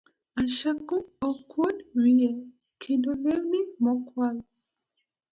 Ashakum ok kuod wiye, kendo lewni mokwal